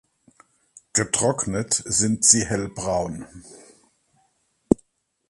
Getrocknet sind sie hellbraun.